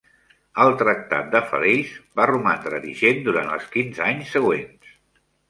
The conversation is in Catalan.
El Tractat de Falaise va romandre vigent durant els quinze anys següents.